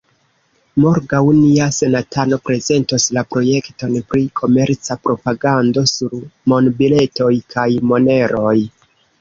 Morgaŭ nia senatano prezentos la projekton pri komerca propagando sur monbiletoj kaj moneroj.